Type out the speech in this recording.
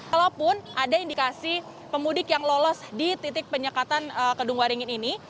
kalaupun ada indikasi pemudik yang lolos di titik penyekatan kedung waringin ini